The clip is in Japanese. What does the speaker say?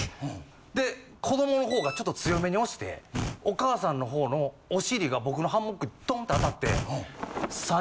で子どものほうがちょっと強めに押してお母さんのほうのお尻が僕のハンモックにトンッてあたって。